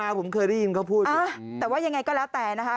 ผมเคยได้ยินเขาพูดอยู่แต่ว่ายังไงก็แล้วแต่นะคะ